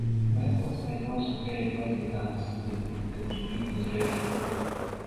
Vessels might also carry other guns that did not contribute to the rating.